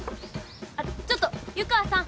あっちょっと湯川さん